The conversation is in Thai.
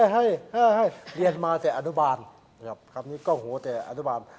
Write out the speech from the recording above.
ให้เรียนมาแต่อนุบาลคำนี้กล้องหัวแต่อนุบาล